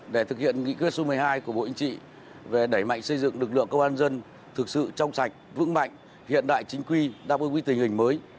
để thực hiện nghị quyết số một mươi hai của bộ yên trị về đẩy mạnh xây dựng lực lượng công an dân thực sự trong sạch vững mạnh hiện đại chính quy đáp ứng với tình hình mới